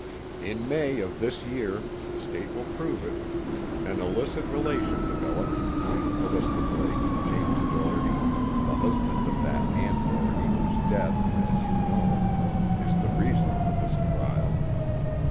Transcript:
"In May of this year the State will prove it an illicit relation developed between Callista Blake and James Doherty, the husband of that Ann Doherty whose death, as you know, is the reason for this trial.